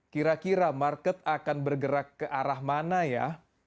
kira kira market akan bergerak ke arah mana ya